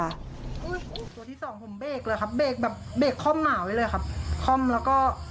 ตัวที่สองผมเบรกแบบข้อมหมาไว้เลยค่ะ